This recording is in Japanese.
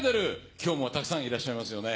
きょうもたくさんいらっしゃいますよね。